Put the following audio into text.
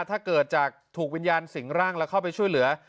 ถ้าเกิดจากถูกวิญญาณสิงร่างแล้วเข้าไปช่วยเหลือ